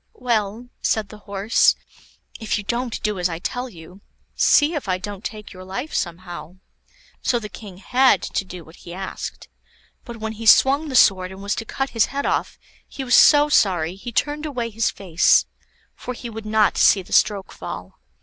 "Well," said the Horse, "if you don't do as I tell you, see if I don't take your life somehow." So the King had to do what he asked; but when he swung the sword and was to cut his head off, he was so sorry he turned away his face, for he would not see the stroke fall.